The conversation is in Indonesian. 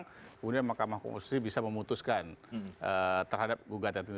kemudian mahkamah konstitusi bisa memutuskan terhadap gugatan itu